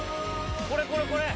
これこれこれ！